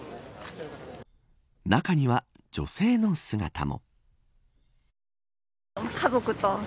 中には女性の姿も。